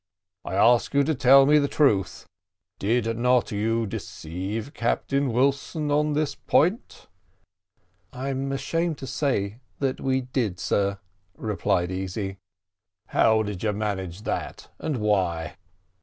I ask you to tell me the truth. Did not you deceive Captain Wilson on this point?" "I am ashamed to say that we did, sir," replied Easy. "How did you manage that, and why?"